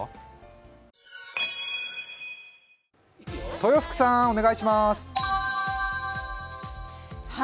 豊福さん、お願いします。